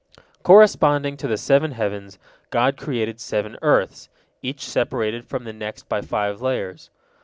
Corresponding to the seven heavens, God created seven earths, each separated from the next by five layers.